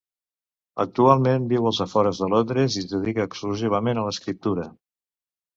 Actualment viu als afores de Londres i es dedica exclusivament a l'escriptura.